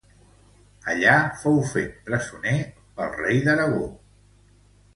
Allí fou fet presoner pel rei d'Aragó.